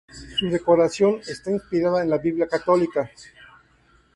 Su decoración está inspirada en la biblia católica.